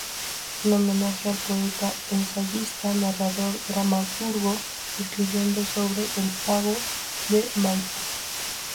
En homenaje al poeta, ensayista, narrador, dramaturgo, escribiendo sobre el "Pago de Maipú".